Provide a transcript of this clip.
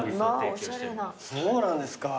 そうなんですか。